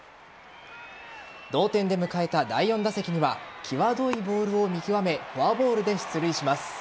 同点で迎えた第４打席には際どいボールを見極めフォアボールで出塁します。